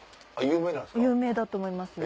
有名だと思いますよ。